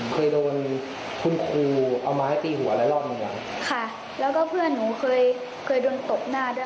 เคยโดนคุณครูเอามาให้ตีหัวแล้วรอดมั้ยครับ